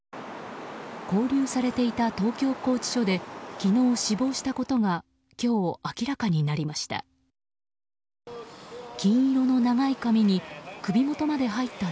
勾留されていた東京拘置所で昨日、死亡したことが今日明らかになりました。